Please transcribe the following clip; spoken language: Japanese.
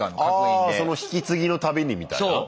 あその引き継ぎの度にみたいな？